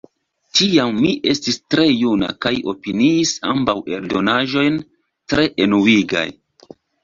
Tiam mi estis tre juna kaj opiniis ambaŭ eldonaĵojn tre enuigaj.